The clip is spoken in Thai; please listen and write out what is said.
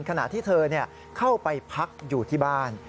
ขณะที่เธอเข้าไปพักอยู่ที่บ้าน